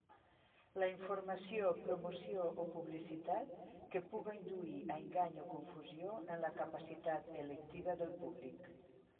La informació, promoció o publicitat que puga induir a engany o confusió en la capacitat electiva del públic.